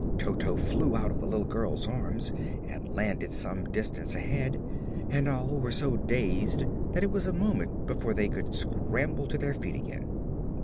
Toto flew out of the little girl's arms and landed some distance ahead, and all were so dazed that it was a moment before they could scramble to their feet again.